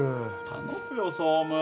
頼むよ総務。